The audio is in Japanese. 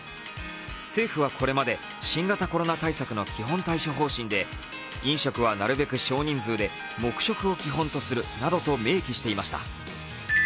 政府はこれまで新型コロナ対策の基本対処方針で飲食はなるべく少人数で黙食を基本とするなどと明記していました。